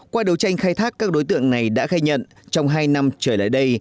qua đấu tranh khai thác các đối tượng này đã khai nhận trong hai năm trở lại đây